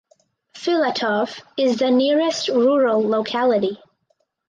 Filatov is the nearest rural locality.